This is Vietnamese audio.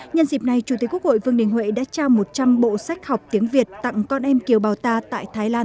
nhân dịp này chủ tịch quốc hội vương đình huệ đã trao một trăm linh bộ sách học tiếng việt tặng con em kiều bào ta tại thái lan